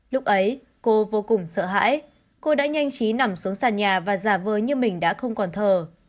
lúc ấy cô vô cùng sợ hãi cô đã nhanh chí nằm xuống sàn nhà và già vời như mình đã không còn thờ